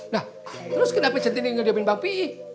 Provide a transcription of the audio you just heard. nah terus kenapa sentini ngeliatin bang pi